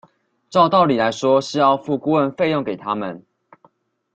照道理來說是要付顧問費用給他們